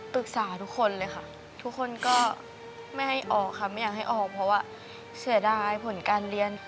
ปรึกษาทุกคนเลยค่ะทุกคนก็ไม่ให้ออกค่ะไม่อยากให้ออกเพราะว่าเสียดายผลการเรียน